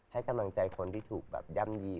ให้กำลังใจคนที่ถูกแบบย่ำยี